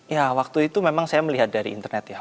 ya waktu itu memang saya melihat dari internet ya